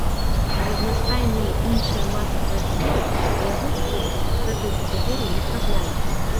А разнастайныя іншыя масавыя зборы, па яго словах, у гэтую катэгорыю не трапляюць.